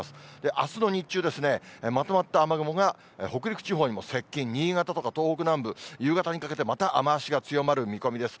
あすの日中ですね、まとまった雨雲が北陸地方にも接近、新潟とか東北南部、夕方にかけて、また雨足が強まる見込みです。